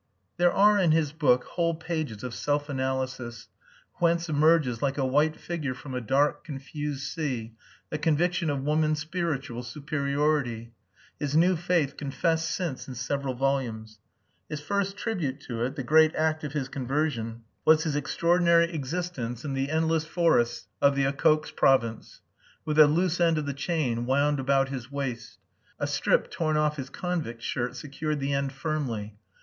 There are in his book whole pages of self analysis whence emerges like a white figure from a dark confused sea the conviction of woman's spiritual superiority his new faith confessed since in several volumes. His first tribute to it, the great act of his conversion, was his extraordinary existence in the endless forests of the Okhotsk Province, with the loose end of the chain wound about his waist. A strip torn off his convict shirt secured the end firmly.